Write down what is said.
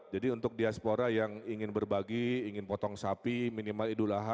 jadi untuk diaspora yang ingin berbagi ingin potong sapi minimal idulaha